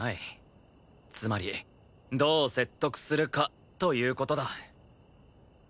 つまりどう説得するかという事だ。